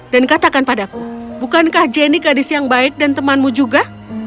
dan katakan padaku bukankah jenny gadis yang baik dan temanmu juga